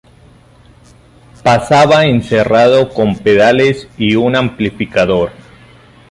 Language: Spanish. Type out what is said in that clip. Pasaba encerrado con pedales y un amplificador.